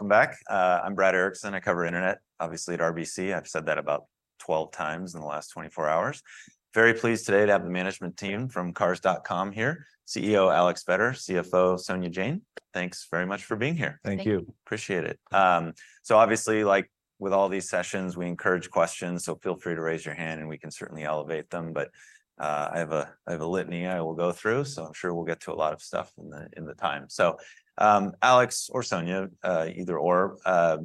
Welcome back. I'm Brad Erickson. I cover internet, obviously, at RBC. I've said that about 12 times in the last 24 hours. Very pleased today to have the management team from Cars.com here, CEO Alex Vetter, CFO Sonia Jain. Thanks very much for being here. Thank you. Thank you. Appreciate it. So obviously, like with all these sessions, we encourage questions, so feel free to raise your hand, and we can certainly elevate them. But I have a litany I will go through, so I'm sure we'll get to a lot of stuff in the time. So Alex or Sonia, either/or,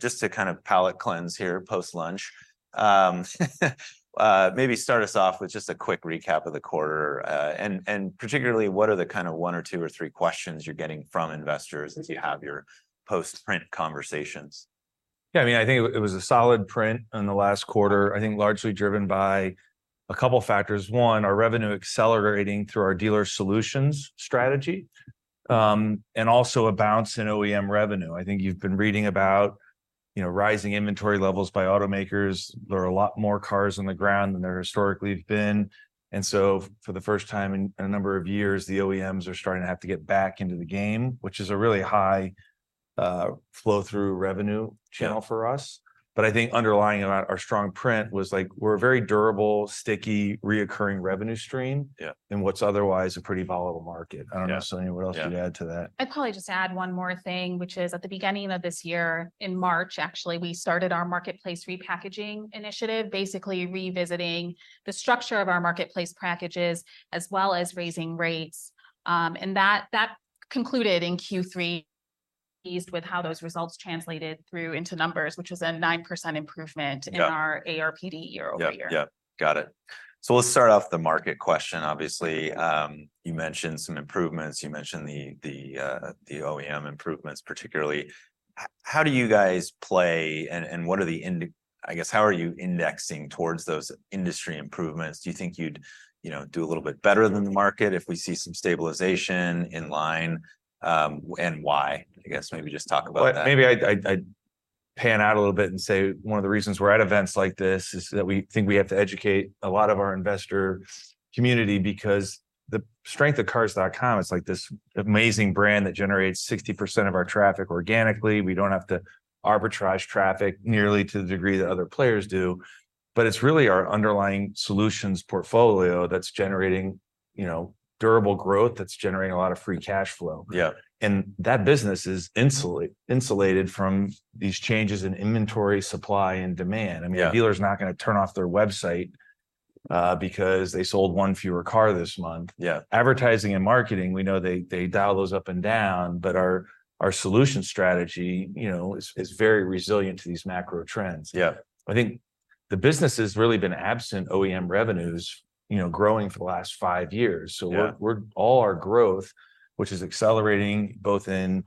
just to kind of palate cleanse here post-lunch, maybe start us off with just a quick recap of the quarter. And particularly, what are the kind of one or two or three questions you're getting from investors- Mm-hmm... as you have your post-print conversations? Yeah, I mean, I think it was a solid print in the last quarter, I think largely driven by a couple factors. One, our revenue accelerating through our dealer solutions strategy, and also a bounce in OEM revenue. I think you've been reading about, you know, rising inventory levels by automakers. There are a lot more cars on the ground than there historically have been, and so for the first time in a number of years, the OEMs are starting to have to get back into the game, which is a really high flow-through revenue channel for us. Yeah. But I think underlying of our strong print was, like, we're a very durable, sticky, recurring revenue stream- Yeah... in what's otherwise a pretty volatile market. Yeah. I don't know, Sonia, what else you'd add to that? I'd probably just add one more thing, which is, at the beginning of this year, in March actually, we started our marketplace repackaging initiative, basically revisiting the structure of our marketplace packages, as well as raising rates. And that concluded in Q3, pleased with how those results translated through into numbers, which was a 9% improvement- Yeah... in our ARPD year-over-year. Yep. Yep, got it. So let's start off with a market question. Obviously, you mentioned some improvements. You mentioned the OEM improvements particularly. How do you guys play, and what are the—I guess, how are you indexing towards those industry improvements? Do you think you'd, you know, do a little bit better than the market if we see some stabilization in line, and why? I guess maybe just talk about that. Well, maybe I'd pan out a little bit and say one of the reasons we're at events like this is that we think we have to educate a lot of our investor community. Because the strength of Cars.com, it's like this amazing brand that generates 60% of our traffic organically. We don't have to arbitrage traffic nearly to the degree that other players do, but it's really our underlying solutions portfolio that's generating, you know, durable growth, that's generating a lot of free cash flow. Yeah. That business is insulated from these changes in inventory, supply, and demand. Yeah. I mean, a dealer's not gonna turn off their website, because they sold one fewer car this month. Yeah. Advertising and marketing, we know they dial those up and down, but our solution strategy, you know, is very resilient to these macro trends. Yeah. I think the business has really been absent OEM revenues, you know, growing for the last five years. Yeah. So all our growth, which is accelerating, both in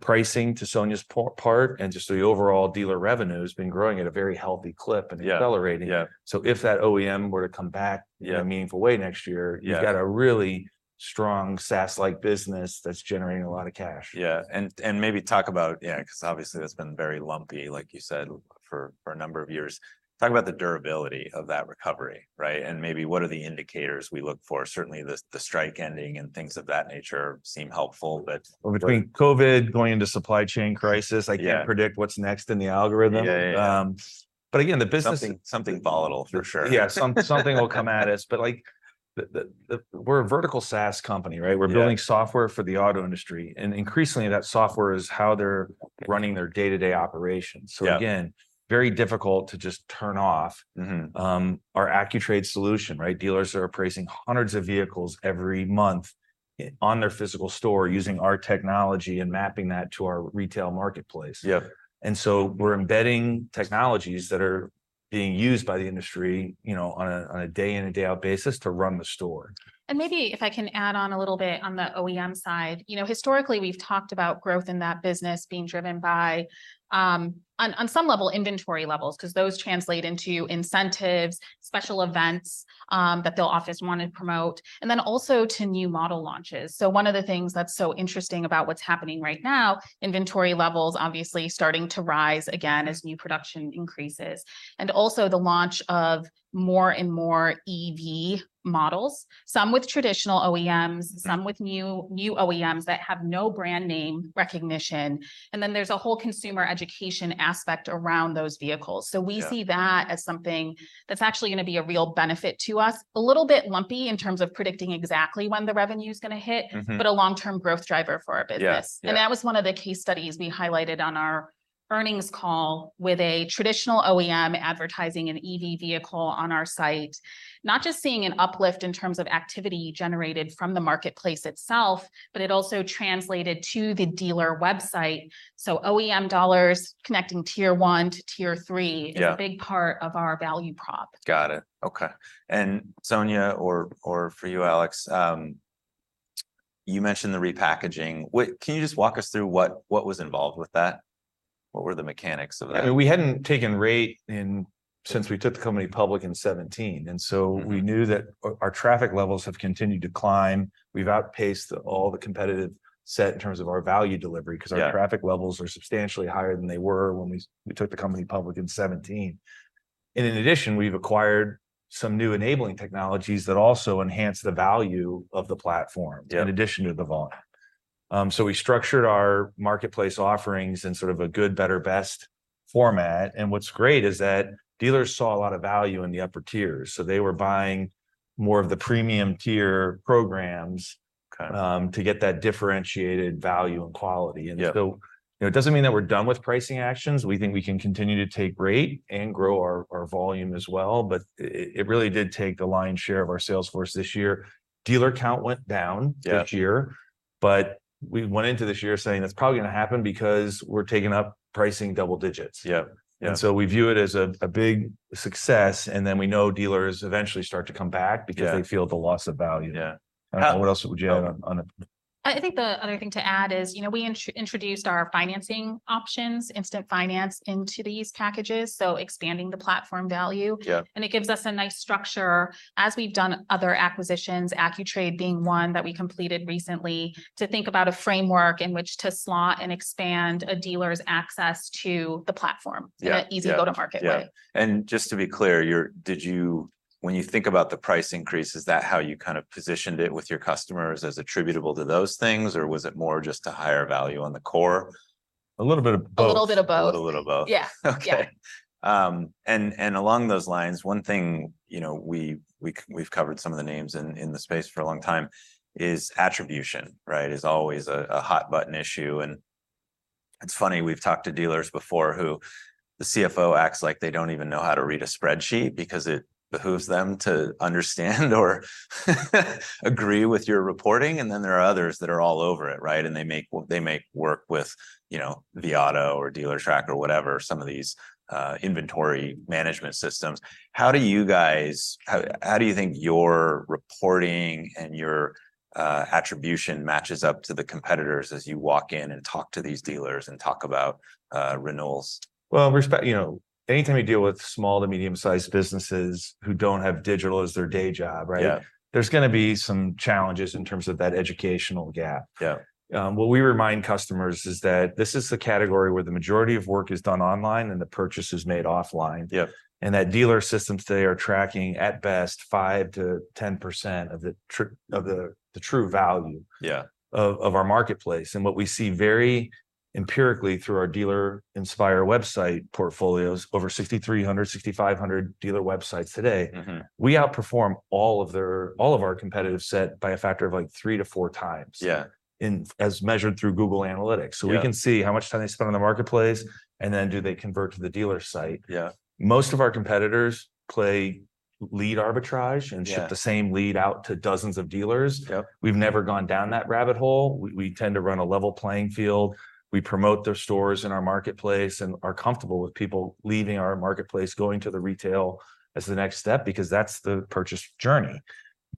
pricing, to Sonia's point, and just the overall dealer revenue has been growing at a very healthy clip. Yeah... and accelerating. Yeah. If that OEM were to come back- Yeah... in a meaningful way next year. Yeah... you've got a really strong, SaaS-like business that's generating a lot of cash. Yeah, and maybe talk about... Yeah, 'cause obviously that's been very lumpy, like you said, for a number of years. Talk about the durability of that recovery, right? And maybe what are the indicators we look for? Certainly the strike ending and things of that nature seem helpful, but- Well, between COVID going into supply chain crisis- Yeah... I can't predict what's next in the algorithm. Yeah, yeah. But again, the business- Something, something volatile, for sure. Yeah, something will come at us. But, like, we're a vertical SaaS company, right? Yeah. We're building software for the auto industry, and increasingly, that software is how they're running their day-to-day operations. Yeah. So again, very difficult to just turn off- Mm-hmm... our AccuTrade solution, right? Dealers are appraising hundreds of vehicles every month on their physical store using our technology and mapping that to our retail marketplace. Yeah. And so we're embedding technologies that are being used by the industry, you know, on a day in and day out basis to run the store. Maybe if I can add on a little bit on the OEM side. You know, historically, we've talked about growth in that business being driven by, on some level, inventory levels. 'Cause those translate into incentives, special events, that they'll obviously want to promote, and then also to new model launches. So one of the things that's so interesting about what's happening right now, inventory levels obviously starting to rise again as new production increases, and also the launch of more and more EV models, some with traditional OEMs. Mm... some with new, new OEMs that have no brand name recognition. And then there's a whole consumer education aspect around those vehicles. Yeah. So we see that as something that's actually gonna be a real benefit to us. A little bit lumpy in terms of predicting exactly when the revenue's gonna hit. Mm-hmm... but a long-term growth driver for our business. Yeah, yeah. That was one of the case studies we highlighted on our earnings call with a traditional OEM advertising an EV vehicle on our site. Not just seeing an uplift in terms of activity generated from the marketplace itself, but it also translated to the dealer website, so OEM dollars connecting Tier 1 to Tier 3- Yeah... is a big part of our value prop. Got it. Okay, and Sonia, or for you, Alex, you mentioned the repackaging. Can you just walk us through what was involved with that? What were the mechanics of that? I mean, we hadn't taken rate in, since we took the company public in 2017. Mm-hmm. And so we knew that our traffic levels have continued to climb. We've outpaced all the competitive set in terms of our value delivery- Yeah... 'cause our traffic levels are substantially higher than they were when we took the company public in 2017. And in addition, we've acquired some new enabling technologies that also enhance the value of the platform- Yeah... in addition to the volume. So we structured our marketplace offerings in sort of a good, better, best format, and what's great is that dealers saw a lot of value in the upper tiers, so they were buying more of the premium-tier programs- Got it... to get that differentiated value and quality. Yeah. And so, you know, it doesn't mean that we're done with pricing actions. We think we can continue to take rate and grow our, our volume as well, but it, it really did take the lion's share of our sales force this year. Dealer count went down- Yeah... this year, but we went into this year saying, "That's probably gonna happen because we're taking up pricing double digits. Yeah. Yeah. And so we view it as a big success, and then we know dealers eventually start to come back. Yeah... because they feel the loss of value. Yeah. Uh- I don't know, what else would you add on, on it? I think the other thing to add is, you know, we introduced our financing options, Instant Finance, into these packages, so expanding the platform value. Yeah. It gives us a nice structure as we've done other acquisitions, AccuTrade being one that we completed recently, to think about a framework in which to slot and expand a dealer's access to the platform. Yeah, yeah... in an easy go-to-market way. Yeah. And just to be clear, you're... When you think about the price increase, is that how you kind of positioned it with your customers as attributable to those things or was it more just a higher value on the core? A little bit of both. A little bit of both. A little both. Yeah. Okay. Yeah. And along those lines, one thing, you know, we've covered some of the names in the space for a long time, is attribution, right? It's always a hot-button issue. And it's funny, we've talked to dealers before who the CFO acts like they don't even know how to read a spreadsheet because it behooves them to understand or agree with your reporting. And then there are others that are all over it, right? And they make work with, you know, vAuto or Dealertrack or whatever, some of these inventory management systems. How do you guys... How do you think your reporting and your attribution matches up to the competitors as you walk in and talk to these dealers and talk about renewals? Well, you know, anytime you deal with small to medium-sized businesses who don't have digital as their day job, right? Yeah. There's gonna be some challenges in terms of that educational gap. Yeah. What we remind customers is that this is the category where the majority of work is done online and the purchase is made offline. Yeah... and that dealer systems today are tracking, at best, 5%-10% of the true value- Yeah... of our marketplace. What we see very empirically through our Dealer Inspire website portfolios, over 6,300-6,500 dealer websites today- Mm-hmm... we outperform all of their, all of our competitive set by a factor of, like, 3-4 times- Yeah... in, as measured through Google Analytics. Yeah. We can see how much time they spend on the marketplace, and then do they convert to the dealer site? Yeah. Most of our competitors play lead arbitrage- Yeah... and ship the same lead out to dozens of dealers. Yep. We've never gone down that rabbit hole. We tend to run a level playing field. We promote their stores in our marketplace and are comfortable with people leaving our marketplace, going to the retail as the next step, because that's the purchase journey.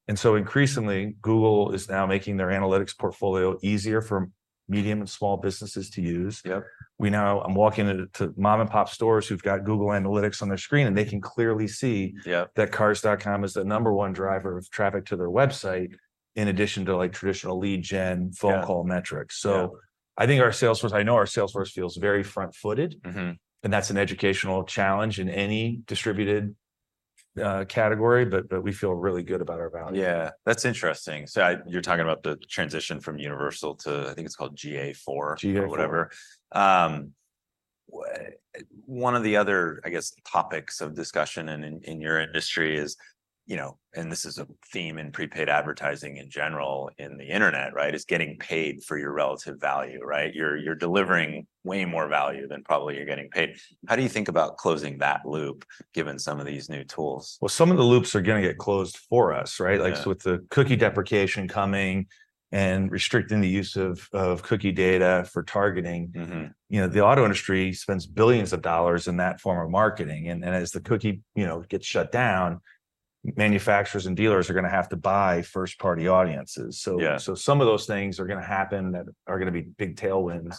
And so increasingly, Google is now making their analytics portfolio easier for medium and small businesses to use. Yep. I'm walking into mom-and-pop stores who've got Google Analytics on their screen, and they can clearly see- Yeah... that Cars.com is the number one driver of traffic to their website, in addition to, like, traditional lead gen- Yeah... phone call metrics. Yeah. I think our sales force, I know our sales force feels very front-footed. Mm-hmm. That's an educational challenge in any distributed category, but we feel really good about our value. Yeah. That's interesting. So you're talking about the transition from Universal to, I think it's called GA4- GA4... or whatever. One of the other, I guess, topics of discussion in your industry is, you know, and this is a theme in prepaid advertising in general in the internet, right, is getting paid for your relative value, right? You're delivering way more value than probably you're getting paid. How do you think about closing that loop, given some of these new tools? Well, some of the loops are gonna get closed for us, right? Yeah. Like, so with the cookie deprecation coming and restricting the use of cookie data for targeting- Mm-hmm... you know, the auto industry spends billions of dollars in that form of marketing. And as the cookie, you know, gets shut down, manufacturers and dealers are gonna have to buy first-party audiences. So- Yeah... so some of those things are gonna happen that are gonna be big tailwinds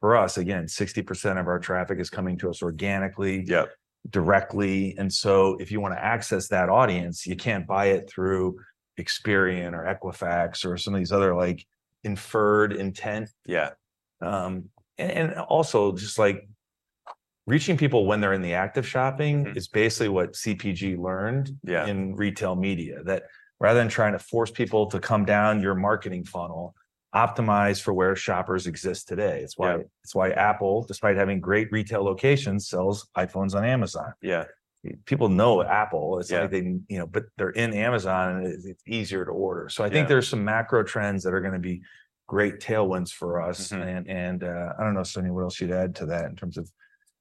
for us. Again, 60% of our traffic is coming to us organically- Yep... directly. And so if you wanna access that audience, you can't buy it through Experian or Equifax or some of these other, like, inferred intent. Yeah. And also, just like, reaching people when they're in the act of shopping. Mm... is basically what CPG learned- Yeah... in retail media. That rather than trying to force people to come down your marketing funnel, optimize for where shoppers exist today. Yeah. It's why, it's why Apple, despite having great retail locations, sells iPhones on Amazon. Yeah. People know Apple. Yeah. It's something... You know, but they're in Amazon, and it, it's easier to order. Yeah. So, I think there's some macro trends that are gonna be great tailwinds for us. Mm-hmm. I don't know, Sonia, what else you'd add to that in terms of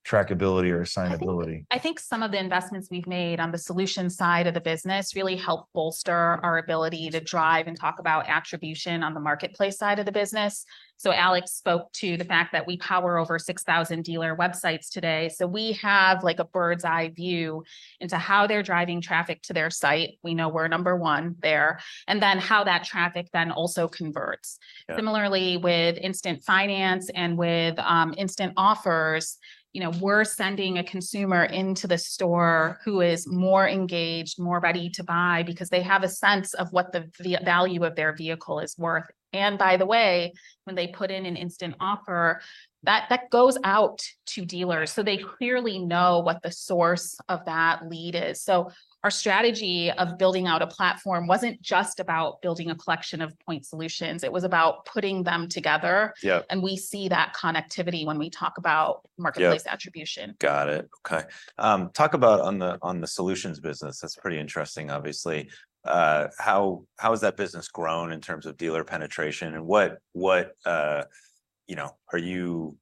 trackability or assignability? I think some of the investments we've made on the solutions side of the business really help bolster our ability to drive and talk about attribution on the marketplace side of the business. So Alex spoke to the fact that we power over 6,000 dealer websites today. So we have, like, a bird's-eye view into how they're driving traffic to their site, we know we're number one there, and then how that traffic then also converts. Yeah. Similarly, with Instant Finance and with instant offers, you know, we're sending a consumer into the store who is more engaged, more ready to buy because they have a sense of what the value of their vehicle is worth. And by the way, when they put in an Instant Offer, that goes out to dealers, so they clearly know what the source of that lead is. So our strategy of building out a platform wasn't just about building a collection of point solutions; it was about putting them together- Yep... and we see that connectivity when we talk about- Yeah... marketplace attribution. Got it. Okay. Talk about the solutions business, that's pretty interesting, obviously. How has that business grown in terms of dealer penetration, and what, you know, are you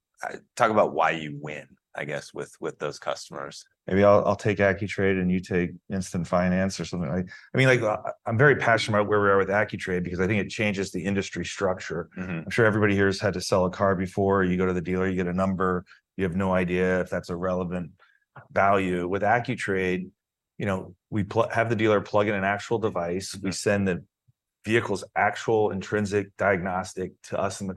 talk about why you win, I guess, with those customers. Maybe I'll take AccuTrade and you take Instant Finance or something like... I mean, like, I'm very passionate about where we are with AccuTrade because I think it changes the industry structure. Mm-hmm. I'm sure everybody here has had to sell a car before. You go to the dealer, you get a number, you have no idea if that's a relevant value. With AccuTrade, you know, we have the dealer plug in an actual device- Mm. we send the vehicle's actual intrinsic diagnostic to us in the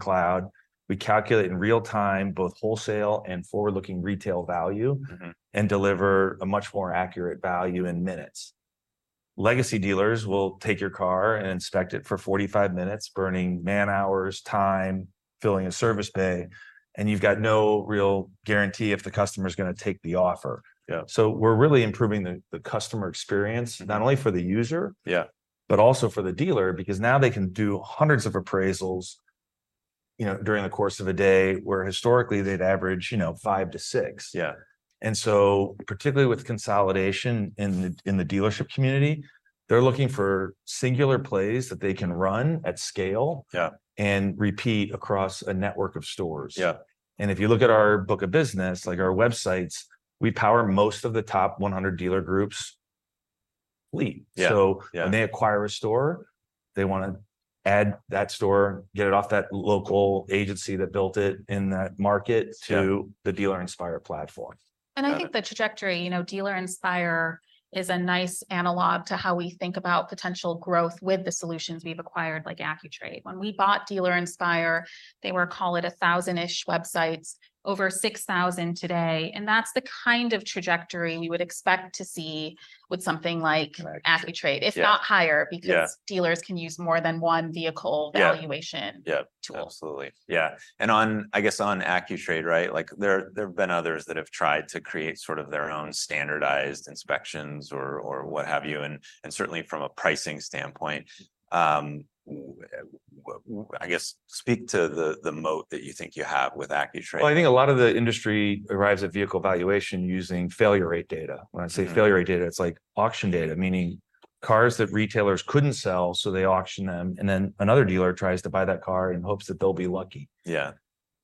cloud, we calculate in real time both wholesale and forward-looking retail value. Mm-hmm... and deliver a much more accurate value in minutes. Legacy dealers will take your car and inspect it for 45 minutes, burning man hours, time, filling a service bay, and you've got no real guarantee if the customer's gonna take the offer. Yeah. So we're really improving the customer experience- Mm... not only for the user- Yeah... but also for the dealer, because now they can do hundreds of appraisals, you know, during the course of a day, where historically, they'd average, you know, 5-6. Yeah. Particularly with consolidation in the dealership community, they're looking for singular plays that they can run at scale- Yeah... and repeat across a network of stores. Yeah. If you look at our book of business, like our websites, we power most of the top 100 dealer groups' fleet. Yeah, yeah. So when they acquire a store, they wanna add that store, get it off that local agency that built it in that market- Yeah... to the Dealer Inspire platform. I think the trajectory, you know, Dealer Inspire is a nice analog to how we think about potential growth with the solutions we've acquired, like AccuTrade. When we bought Dealer Inspire, they were, call it 1,000-ish websites, over 6,000 today, and that's the kind of trajectory we would expect to see with something like- Correct... AccuTrade- Yeah... if not higher- Yeah... because dealers can use more than one vehicle- Yeah... valuation- Yeah... tool. Absolutely. Yeah, and on, I guess on AccuTrade, right, like, there have been others that have tried to create sort of their own standardized inspections or what have you, and certainly from a pricing standpoint, I guess, speak to the moat that you think you have with AccuTrade? Well, I think a lot of the industry arrives at vehicle valuation using failure rate data. Mm. When I say failure rate data, it's like auction data, meaning cars that retailers couldn't sell, so they auction them, and then another dealer tries to buy that car in hopes that they'll be lucky. Yeah.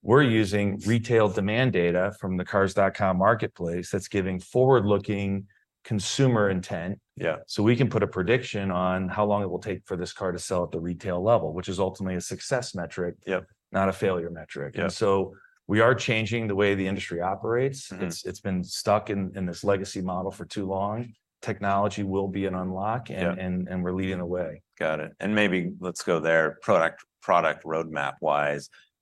We're using retail demand data from the Cars.com marketplace that's giving forward-looking consumer intent. Yeah... so we can put a prediction on how long it will take for this car to sell at the retail level, which is ultimately a success metric- Yep... not a failure metric. Yeah. We are changing the way the industry operates. Mm-hmm. It's been stuck in this legacy model for too long. Technology will be an unlock- Yeah... and we're leading the way. Got it. And maybe let's go there, product, product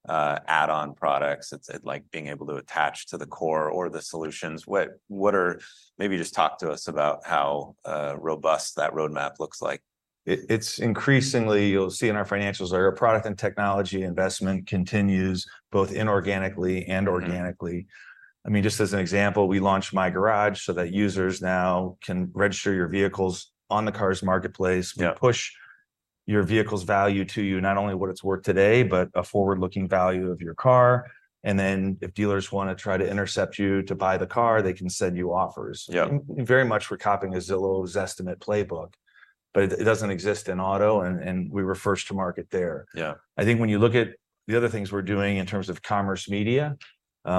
roadmap-wise, add-on products, it's, like, being able to attach to the core or the solutions. What, what are... Maybe just talk to us about how robust that roadmap looks like? It's increasingly. You'll see in our financials our product and technology investment continues, both inorganically and organically. Mm. I mean, just as an example, we launched My Garage, so that users now can register your vehicles on the Cars marketplace- Yeah... we push your vehicle's value to you, not only what it's worth today, but a forward-looking value of your car, and then if dealers wanna try to intercept you to buy the car, they can send you offers. Yeah. Very much we're copying a Zillow's estimate playbook, but it doesn't exist in auto, and we were first to market there. Yeah. I think when you look at the other things we're doing in terms of commerce media,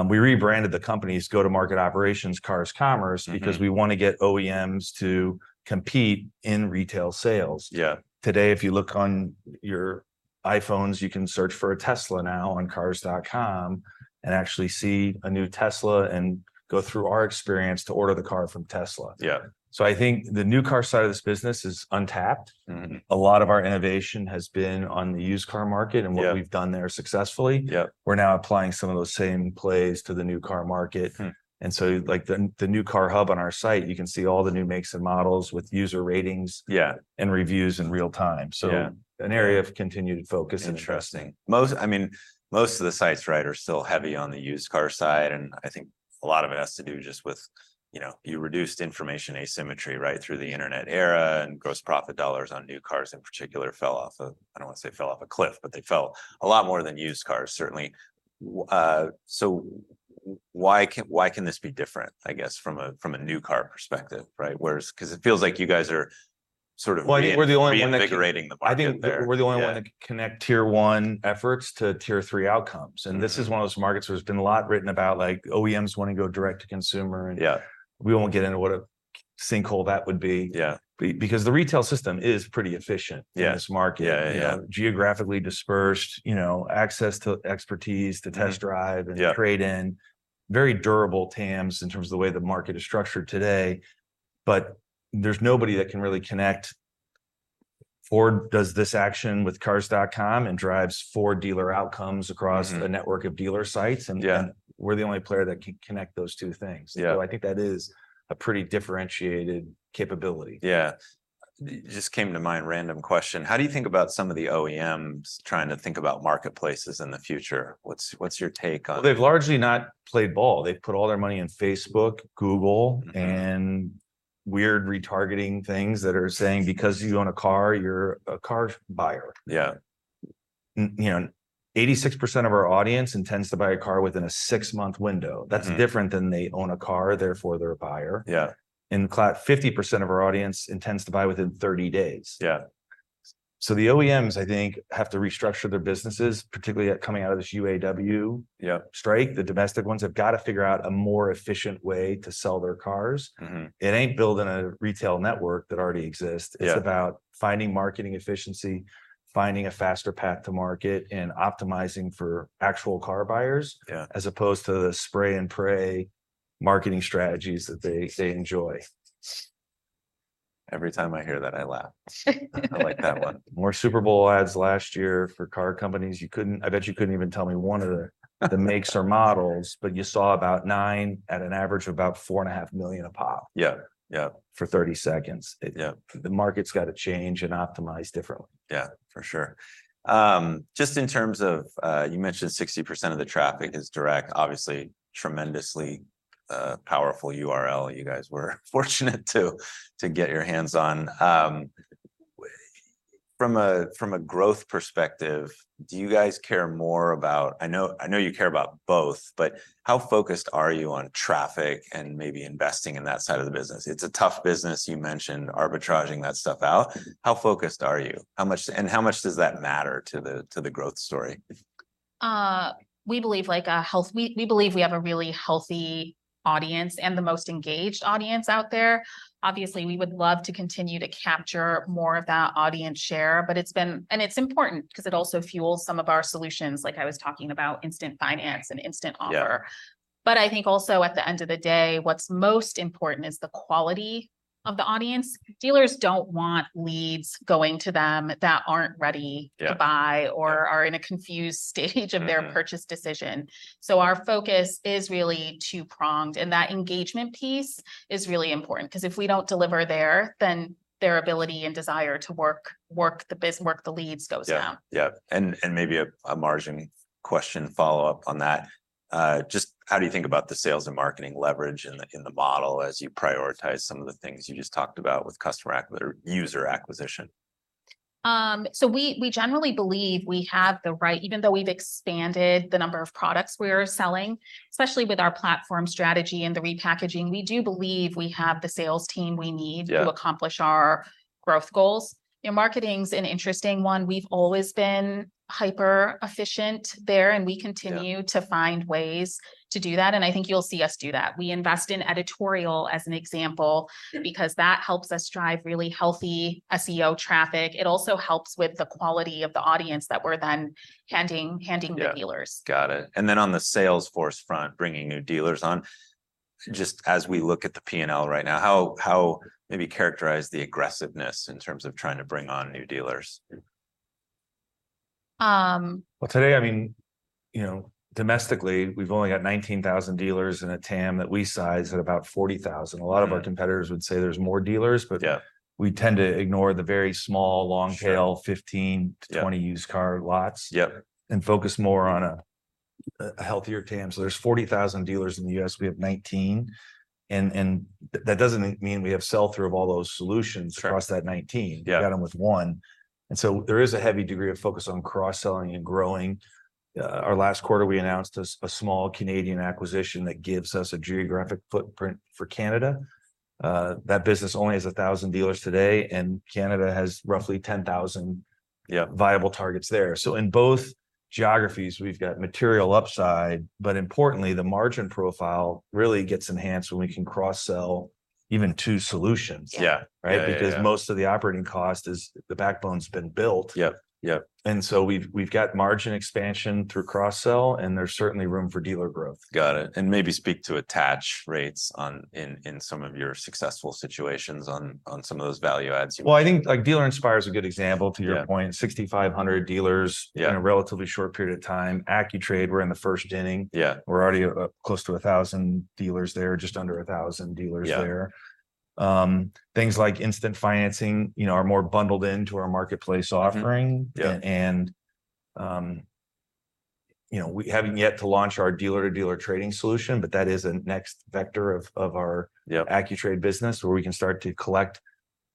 we rebranded the company's go-to-market operations, Cars Commerce- Mm... because we wanna get OEMs to compete in retail sales. Yeah. Today, if you look on your iPhones, you can search for a Tesla now on Cars.com and actually see a new Tesla and go through our experience to order the car from Tesla. Yeah. I think the new car side of this business is untapped. Mm-hmm. A lot of our innovation has been on the used car market- Yeah... and what we've done there successfully. Yep. We're now applying some of those same plays to the new car market. Hmm. And so, like, the New Car Hub on our site, you can see all the new makes and models with user ratings- Yeah... and reviews in real time. Yeah. An area of continued focus and- Interesting. Most, I mean, most of the sites, right, are still heavy on the used car side, and I think a lot of it has to do just with, you know, you reduced information asymmetry, right through the internet era, and gross profit dollars on new cars in particular fell off a... I don't wanna say fell off a cliff, but they fell a lot more than used cars, certainly. So why can, why can this be different, I guess, from a, from a new car perspective, right? Whereas... 'Cause it feels like you guys are sort of re- Well, I think we're the only one that-... reinvigorating the market there... I think we're the only one- Yeah... to connect Tier 1 efforts to Tier 3 outcomes. Mm. This is one of those markets where there's been a lot written about, like OEMs wanna go direct to consumer, and- Yeah... we won't get into what a sinkhole that would be. Yeah. because the retail system is pretty efficient. Yeah... in this market. Yeah, yeah. You know, geographically dispersed, you know, access to expertise, to test drive- Mm, yeah... and trade in. Very durable TAMS in terms of the way the market is structured today, but there's nobody that can really connect, Ford does this action with Cars.com and drives Ford dealer outcomes across- Mm... a network of dealer sites, and- Yeah... we're the only player that can connect those two things. Yeah. I think that is a pretty differentiated capability. Yeah. Just came to mind, random question: How do you think about some of the OEMs trying to think about marketplaces in the future? What's, what's your take on- Well, they've largely not played ball. They've put all their money in Facebook, Google- Mm... and weird retargeting things that are saying, "Because you own a car, you're a car buyer. Yeah. You know, 86% of our audience intends to buy a car within a six-month window. Mm. That's different than they own a car, therefore, they're a buyer. Yeah. In fact, 50% of our audience intends to buy within 30 days. Yeah.... So the OEMs, I think, have to restructure their businesses, particularly coming out of this UAW- Yeah strike. The domestic ones have gotta figure out a more efficient way to sell their cars. Mm-hmm. It ain't building a retail network that already exists. Yeah. It's about finding marketing efficiency, finding a faster path to market, and optimizing for actual car buyers- Yeah... as opposed to the spray and pray marketing strategies that they enjoy. Every time I hear that, I laugh. I like that one. More Super Bowl ads last year for car companies. I bet you couldn't even tell me the makes or models, but you saw about nine, at an average of about $4.5 million a pop. Yeah. Yeah. For 30 seconds. Yeah. The market's gotta change and optimize differently. Yeah, for sure. Just in terms of, you mentioned 60% of the traffic is direct. Obviously, tremendously, a powerful URL you guys were fortunate to get your hands on. From a growth perspective, do you guys care more about... I know, I know you care about both, but how focused are you on traffic and maybe investing in that side of the business? It's a tough business. You mentioned arbitraging that stuff out. How focused are you? How much... And how much does that matter to the growth story? We believe, like, we have a really healthy audience and the most engaged audience out there. Obviously, we would love to continue to capture more of that audience share, but it's been... It's important, 'cause it also fuels some of our solutions, like I was talking about, Instant Finance and Instant Offer. Yeah. But I think also, at the end of the day, what's most important is the quality of the audience. Dealers don't want leads going to them that aren't ready- Yeah... to buy or are in a confused stage. Mm-hmm... of their purchase decision. So our focus is really two-pronged, and that engagement piece is really important. 'Cause if we don't deliver there, then their ability and desire to work the leads goes down. Yeah. Yeah, and maybe a margin question follow-up on that. Just how do you think about the sales and marketing leverage in the model as you prioritize some of the things you just talked about with customer or user acquisition? So, we generally believe we have the right, even though we've expanded the number of products we are selling, especially with our platform strategy and the repackaging, we do believe we have the sales team we need- Yeah... to accomplish our growth goals. You know, marketing's an interesting one. We've always been hyper-efficient there, and we continue- Yeah... to find ways to do that, and I think you'll see us do that. We invest in editorial as an example- Yeah... because that helps us drive really healthy SEO traffic. It also helps with the quality of the audience that we're then handing, handing to dealers. Yeah. Got it. And then on the sales force front, bringing new dealers on, just as we look at the P&L right now, how... Maybe characterize the aggressiveness in terms of trying to bring on new dealers. Um- Well, today, I mean, you know, domestically, we've only got 19,000 dealers in a TAM that we size at about 40,000. Yeah. A lot of our competitors would say there's more dealers, but- Yeah... we tend to ignore the very small, long tail- Sure... 15-20- Yeah... used car lots. Yep... and focus more on a healthier TAM. So there's 40,000 dealers in the U.S., we have 19, and that doesn't mean we have sell-through of all those solutions- Sure... across that 19. Yeah. We've got 'em with one. And so there is a heavy degree of focus on cross-selling and growing. Our last quarter, we announced a small Canadian acquisition that gives us a geographic footprint for Canada. That business only has 1,000 dealers today, and Canada has roughly 10,000- Yeah... viable targets there. In both geographies, we've got material upside, but importantly, the margin profile really gets enhanced when we can cross-sell even two solutions- Yeah... right? Yeah, yeah, yeah. Because most of the operating cost is, the backbone's been built. Yep. Yep. And so we've got margin expansion through cross-sell, and there's certainly room for dealer growth. Got it. And maybe speak to attach rates in some of your successful situations on some of those value adds you- Well, I think, like, Dealer Inspire is a good example, to your point. Yeah. 6,500 dealers- Yeah... in a relatively short period of time. AccuTrade, we're in the first inning. Yeah. We're already up close to 1,000 dealers there, just under 1,000 dealers there. Yeah. Things like Instant Finance, you know, are more bundled into our marketplace offering. Mm-hmm. Yeah. You know, we haven't yet to launch our dealer-to-dealer trading solution, but that is a next vector of our- Yeah... AccuTrade business, where we can start to collect,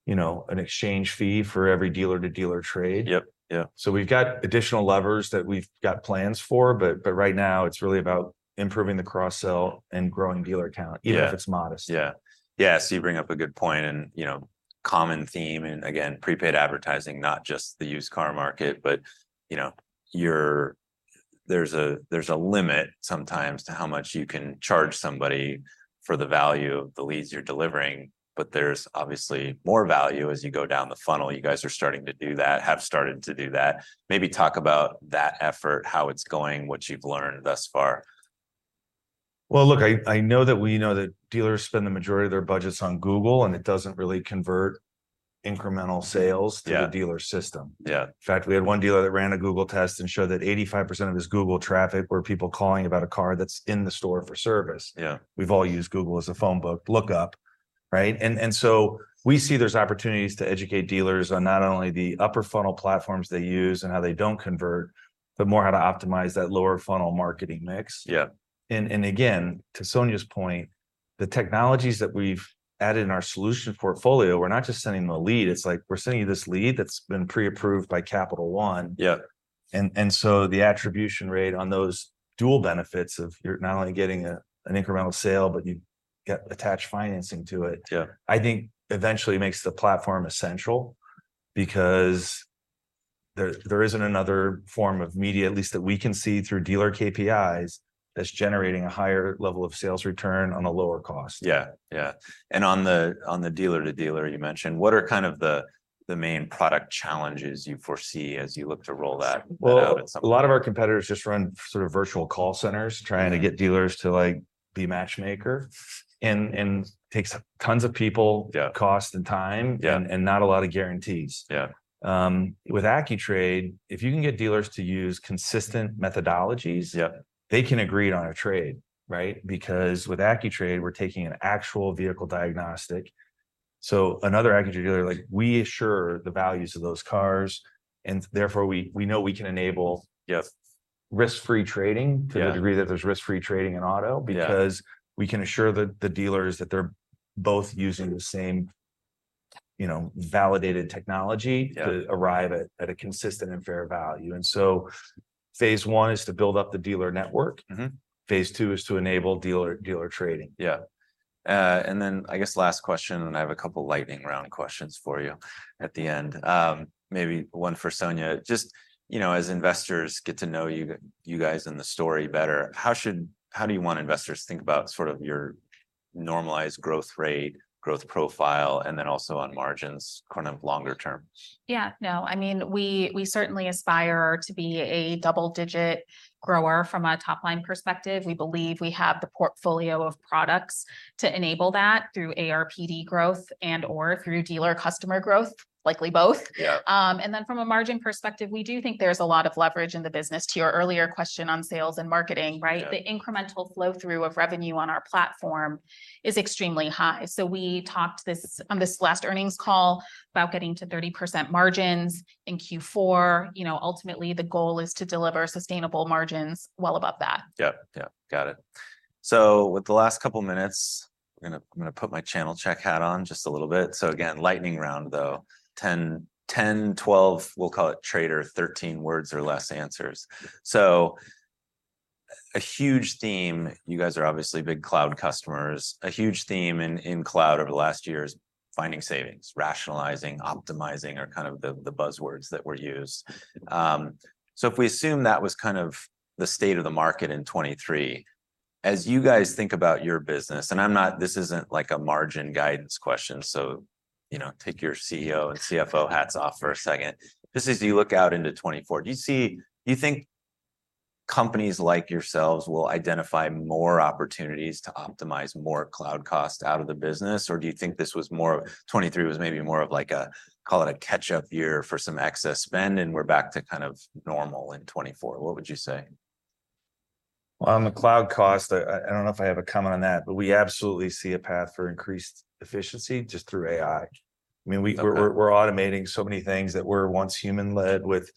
you know, an exchange fee for every dealer-to-dealer trade. Yep, yeah. So we've got additional levers that we've got plans for, but right now it's really about improving the cross-sell and growing dealer count- Yeah... even if it's modest. Yeah. Yeah, so you bring up a good point, and, you know, common theme, and again, prepaid advertising, not just the used car market, but, you know, there's a, there's a limit sometimes to how much you can charge somebody for the value of the leads you're delivering, but there's obviously more value as you go down the funnel. You guys are starting to do that, have started to do that. Maybe talk about that effort, how it's going, what you've learned thus far. Well, look, I, I know that we know that dealers spend the majority of their budgets on Google, and it doesn't really convert incremental sales- Yeah... to the dealer's system. Yeah. In fact, we had one dealer that ran a Google test and showed that 85% of his Google traffic were people calling about a car that's in the store for service. Yeah. We've all used Google as a phone book lookup, right? And so we see there's opportunities to educate dealers on not only the upper funnel platforms they use and how they don't convert, but more how to optimize that lower funnel marketing mix. Yeah. And again, to Sonia's point, the technologies that we've added in our solution portfolio, we're not just sending them a lead. It's like we're sending you this lead that's been pre-approved by Capital One. Yeah. So the attribution rate on those dual benefits of you're not only getting an incremental sale, but you-... yeah, attach financing to it- Yeah... I think eventually makes the platform essential, because there isn't another form of media, at least that we can see through dealer KPIs, that's generating a higher level of sales return on a lower cost. Yeah. Yeah. And on the dealer-to-dealer you mentioned, what are kind of the main product challenges you foresee as you look to roll that out at some- Well, a lot of our competitors just run sort of virtual call centers- Yeah... trying to get dealers to, like, be matchmaker. And takes tons of people- Yeah... cost and time- Yeah... and not a lot of guarantees. Yeah. With AccuTrade, if you can get dealers to use consistent methodologies- Yeah... they can agree on a trade, right? Because with AccuTrade, we're taking an actual vehicle diagnostic. So another AccuTrade dealer, like, we assure the values of those cars, and therefore we know we can enable- Yeah... risk-free trading- Yeah... to the degree that there's risk-free trading in auto- Yeah... because we can assure the dealers that they're both using the same, you know, validated technology- Yeah... to arrive at a consistent and fair value. So phase one is to build up the dealer network. Mm-hmm. Phase two is to enable dealer-to-dealer trading. Yeah. And then I guess last question, and I have a couple lightning round questions for you at the end. Maybe one for Sonia. Just, you know, as investors get to know you guys and the story better, how should... How do you want investors to think about sort of your normalized growth rate, growth profile, and then also on margins, kind of longer term? Yeah. No, I mean, we certainly aspire to be a double-digit grower from a top-line perspective. We believe we have the portfolio of products to enable that through ARPD growth and/or through dealer customer growth. Likely both. Yeah. And then, from a margin perspective, we do think there's a lot of leverage in the business, to your earlier question on sales and marketing, right? Yeah. The incremental flow-through of revenue on our platform is extremely high. So we talked this, on this last earnings call, about getting to 30% margins in Q4. You know, ultimately, the goal is to deliver sustainable margins well above that. Yep. Yeah, got it. So with the last couple minutes, I'm gonna, I'm gonna put my channel check hat on just a little bit. So again, lightning round, though. 10, 10, 12, we'll call it try to 13 words or less answers. Yeah. So a huge theme, you guys are obviously big cloud customers. A huge theme in cloud over the last year is finding savings. Rationalizing, optimizing, are kind of the buzzwords that were used. So if we assume that was kind of the state of the market in 2023, as you guys think about your business, and I'm not—this isn't, like, a margin guidance question, so, you know, take your CEO and CFO hats off for a second. This is, you look out into 2024, do you see... Do you think companies like yourselves will identify more opportunities to optimize more cloud cost out of the business? Or do you think this was more of, 2023 was maybe more of like a, call it a catch-up year for some excess spend, and we're back to kind of normal in 2024? What would you say? Well, on the cloud cost, I don't know if I have a comment on that, but we absolutely see a path for increased efficiency just through AI. Okay. I mean, we're automating so many things that were once human-led with,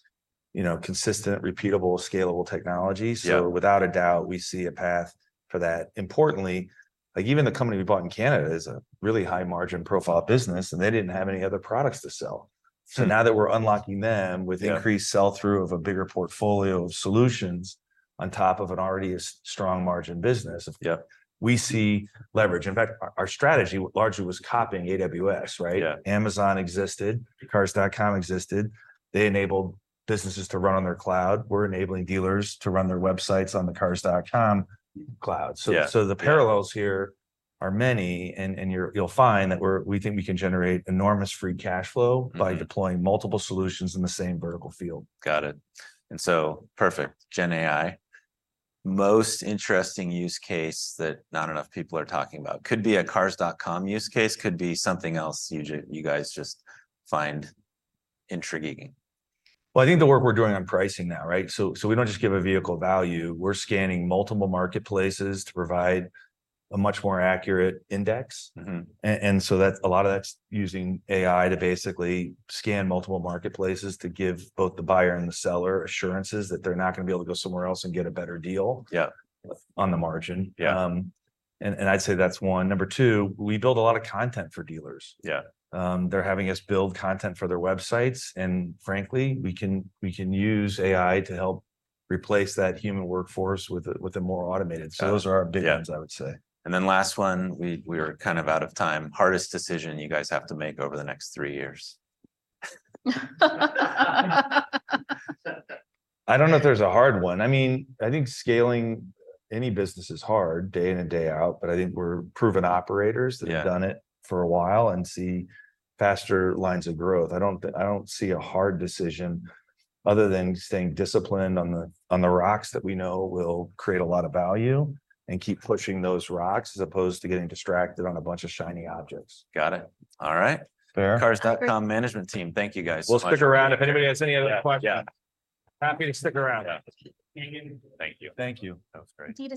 you know, consistent, repeatable, scalable technology. Yeah. So without a doubt, we see a path for that. Importantly, like, even the company we bought in Canada is a really high margin profile business, and they didn't have any other products to sell. Yeah. So now that we're unlocking them- Yeah... with increased sell-through of a bigger portfolio of solutions on top of an already strong margin business. Yeah... we see leverage. In fact, our strategy largely was copying AWS, right? Yeah. Amazon existed, Cars.com existed. They enabled businesses to run on their cloud. We're enabling dealers to run their websites on the Cars.com cloud. Yeah. So the parallels here are many, and you'll find that we think we can generate enormous free cash flow- Mm-hmm... by deploying multiple solutions in the same vertical field. Got it. And so, perfect, Gen AI, most interesting use case that not enough people are talking about? Could be a Cars.com use case, could be something else you guys just find intriguing. Well, I think the work we're doing on pricing now, right? So, so we don't just give a vehicle value. We're scanning multiple marketplaces to provide a much more accurate index. Mm-hmm. and so that's a lot of that's using AI to basically scan multiple marketplaces to give both the buyer and the seller assurances that they're not gonna be able to go somewhere else and get a better deal. Yeah... on the margin. Yeah. And I'd say that's one. Number two, we build a lot of content for dealers. Yeah. They're having us build content for their websites, and frankly, we can, we can use AI to help replace that human workforce with a, with a more automated. Yeah. So those are our big ones. Yeah... I would say. Then last one, we're kind of out of time. Hardest decision you guys have to make over the next three years? I don't know if there's a hard one. I mean, I think scaling any business is hard, day in and day out, but I think we're proven operators- Yeah... that have done it for a while and see faster lines of growth. I don't see a hard decision, other than staying disciplined on the rocks that we know will create a lot of value, and keep pushing those rocks, as opposed to getting distracted on a bunch of shiny objects. Got it. All right. Fair. Cars.com management team, thank you, guys, so much. We'll stick around if anybody has any other questions. Yeah, yeah. Happy to stick around. Yeah. Thank you. Thank you. That was great. Thank you.